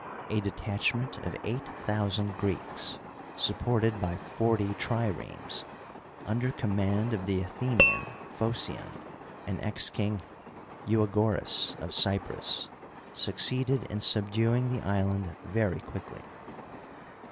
A detachment of eight thousand Greeks, supported by forty triremes, under command of the Athe nian Phocion and ex King Eua^oras of Cyprus, succeeded in subduing the island very quickly.